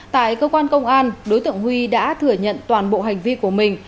tại cơ quan công an đối tượng huy đã thừa nhận toàn bộ hành vi của mình